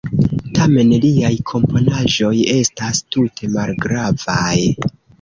Tamen liaj komponaĵoj estas tute malgravaj.